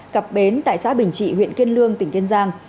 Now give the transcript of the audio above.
cặp bến tại xã bình trị huyện kiên lương tỉnh kiên giang